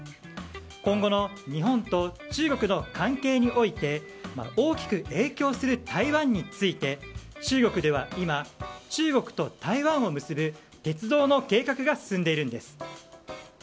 今後の日本と中国の関係において大きく影響する台湾について中国では今中国と台湾を結ぶ鉄道の計画が進んでいるんです。